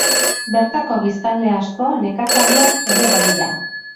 Bertako biztanle asko, nekazariak ere badira.